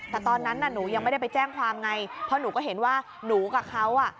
แต่ตอนนั้นน่ะหนูยังไม่ได้ไปแจ้งความไงเพราะหนูก็เห็นว่าหนูกับเขาอ่ะ